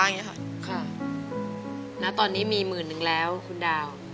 อย่างนี้ค่ะณตอนนี้มีหมื่นนึงแล้วคุณดาว